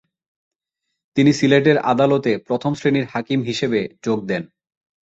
তিনি সিলেটের আদালতে প্রথম শ্রেনীর হাকিম হিসেবে যোগদেন।